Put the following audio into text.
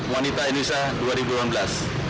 wanita indonesia dua ribu sebelas